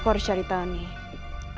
aku harus cari tahu nih